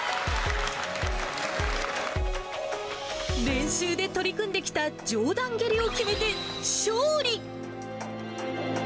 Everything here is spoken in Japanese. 練習で取り組んできた上段蹴りを決めて、勝利。